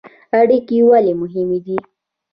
اړیکې ولې مهمې دي؟